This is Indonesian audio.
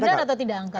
benar atau tidak angka